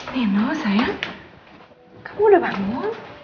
nino sayang kamu udah bangun